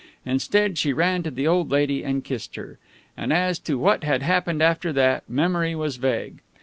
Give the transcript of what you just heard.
Instead, she ran to the old lady, and kissed her. And, as to what had happened after that, memory was vague.